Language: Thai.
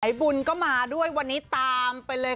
บุญก็มาด้วยวันนี้ตามไปเลย